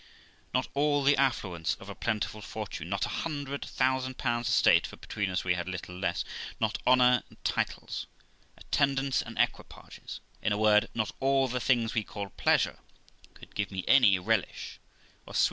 Not all the affluence of a plentiful fortune; not a hundred thousand pounds estate (for, between us, we had little less); not honour and titles, attendants and equipages; in a word, not all the things we call pleasure could give me any relish, or sv ?